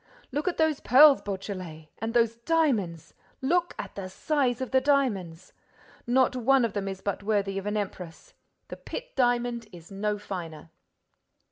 Look at those pearls, Beautrelet! And those diamonds: look at the size of the diamonds! Not one of them but is worthy of an empress! The Pitt Diamond is no finer!"